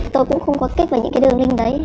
tôi cũng không có kết về những đường ninh đấy